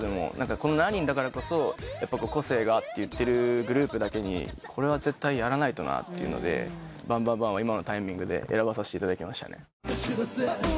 この７人だからこそ個性がって言ってるグループだけにこれは絶対やらないとなっていうので『ＢＡＮＧＢＡＮＧＢＡＮＧ』は今のタイミングで選ばせていただきましたね。